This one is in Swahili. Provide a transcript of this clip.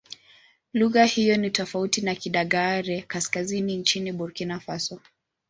Lugha hiyo ni tofauti na Kidagaare-Kaskazini nchini Burkina Faso.